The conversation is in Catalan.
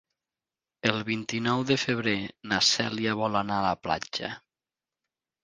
El vint-i-nou de febrer na Cèlia vol anar a la platja.